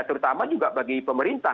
terutama juga bagi pemerintah